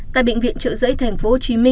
tại bệnh viện trợ giấy tp hcm